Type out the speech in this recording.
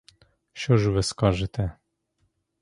Що ж ви скажете?